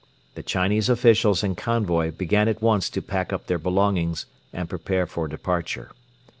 The Chinese officials and convoy began at once to pack up their belongings and prepare for departure.